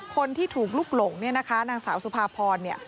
คนที่ถูกลุกหลงนางสาวสุภาพร